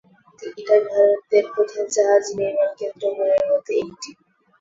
এটি ভারতের প্রধান জাহাজ নির্মান কেন্দ্র গুলির মধ্যে একটি।